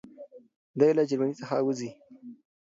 دی له جرمني څخه وځي.